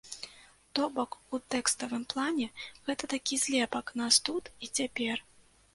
То бок у тэкставым плане гэта такі злепак нас тут і цяпер.